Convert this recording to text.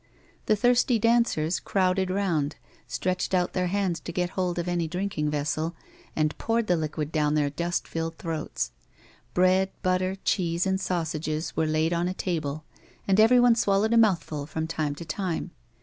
The thirsty dancers crowded round, stretched out their hands to got hold of anj' drinking vessel, and poured the liquid down their dust filled throats. Bread, Gutter, cheese, and sausages were laid on a table, and everyone swallowed a mouthful from time to time.